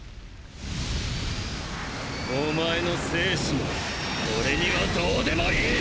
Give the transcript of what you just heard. おまえの生死も俺にはどうでもいい！